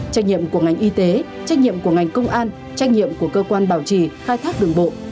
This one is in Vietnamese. trách nhiệm của ngành y tế trách nhiệm của ngành công an trách nhiệm của cơ quan bảo trì khai thác đường bộ